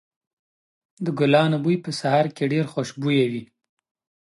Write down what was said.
د ګلانو بوی په سهار کې ډېر خوشبويه وي.